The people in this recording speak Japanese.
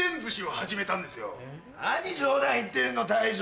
何冗談言ってるの大将。